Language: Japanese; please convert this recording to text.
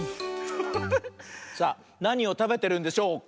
さあなにをたべてるんでしょうか？